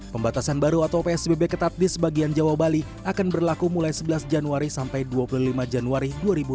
pembatasan baru atau psbb ketat di sebagian jawa bali akan berlaku mulai sebelas januari sampai dua puluh lima januari dua ribu dua puluh